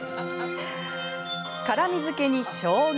辛みづけにしょうが。